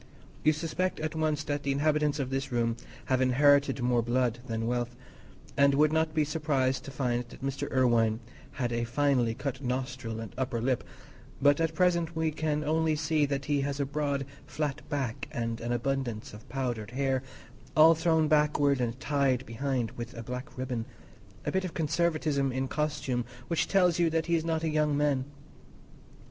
You suspect at once that the inhabitants of this room have inherited more blood than wealth, and would not be surprised to find that Mr. Irwine had a finely cut nostril and upper lip; but at present we can only see that he has a broad flat back and an abundance of powdered hair, all thrown backward and tied behind with a black ribbon—a bit of conservatism in costume which tells you that he is not a young man.